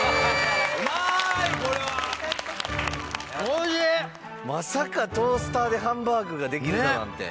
まさかトースターでハンバーグができるだなんて。